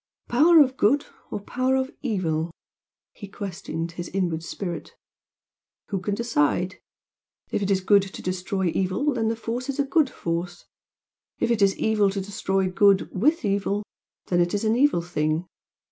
"Power of good or power of evil?" he questioned his inward spirit "Who can decide? If it is good to destroy evil then the force is a good force if it is evil to destroy good WITH evil, then it is an evil thing.